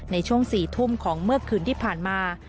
ในช่วง๔ทุ่มของเมื่อคืนที่ผ่านมา